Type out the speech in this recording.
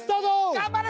頑張れ！